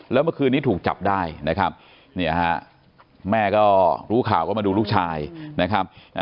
แล้วเมื่อคืนนี้ถูกจับได้นะครับเนี่ยฮะแม่ก็รู้ข่าวก็มาดูลูกชายนะครับ